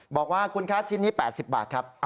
บอกว่าคุณคะชิ้นนี้๘๐บาทครับ